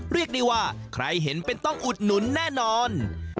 เรียกได้ว่าใครเห็นเป็นต้องอุดหนุนแน่นอน